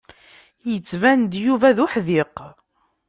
Yettban-d Yuba d uḥdiq.